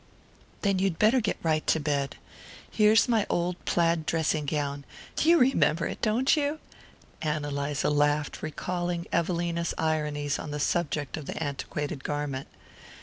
"Then you'd better get right into bed. Here's my old plaid dressing gown you remember it, don't you?" Ann Eliza laughed, recalling Evelina's ironies on the subject of the antiquated garment.